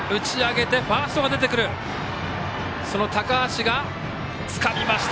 高橋がつかみました。